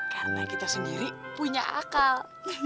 karena kita sendiri punya akal